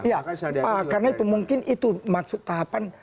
ya karena itu mungkin itu maksud tahapan